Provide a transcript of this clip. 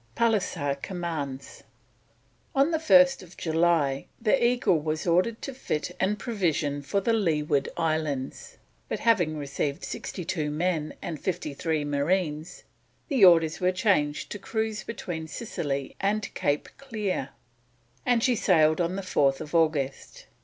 PALLISSER COMMANDS. On the 1st July the Eagle was ordered to fit and provision for the Leeward Islands, but having received 62 men and 53 marines, the orders were changed to cruise between Scilly and Cape Clear, and she sailed on the 4th August.